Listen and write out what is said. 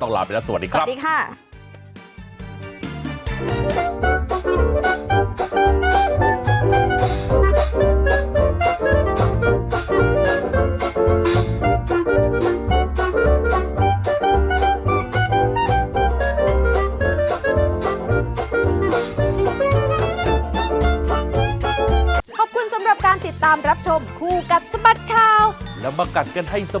ต้องลาไปแล้วสวัสดีครับ